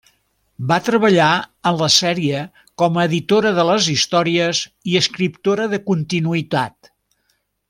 Va treballar en la sèrie com a editora de les històries i escriptora de continuïtat.